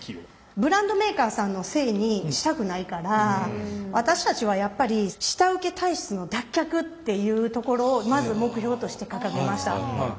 ブランドメーカーさんのせいにしたくないから私たちはやっぱり下請け体質の脱却っていうところをまず目標として掲げました。